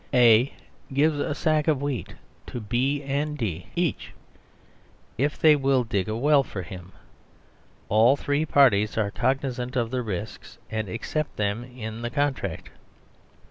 A gives a sack of wheat to Band D each if they will dig a well for him. All three parties are cognisant of the risks and accept them in the contract.